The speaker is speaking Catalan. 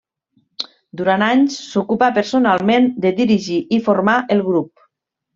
Durant anys s'ocupà personalment de dirigir i formar el grup.